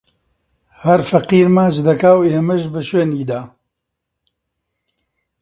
هەر فەقیر ماچ دەکا و ئێمەش بە شوێنیدا